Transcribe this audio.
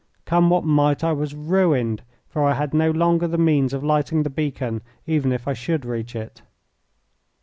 Come what might, I was ruined, for I had no longer the means of lighting the beacon even if I should reach it.